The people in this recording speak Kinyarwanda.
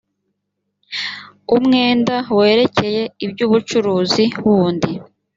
umwenda werekeye iby ubucuruzi wundi